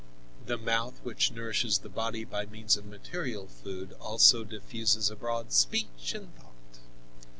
The mouth, which nourishes the body by means of material food, also diffuses abroad speech and thought.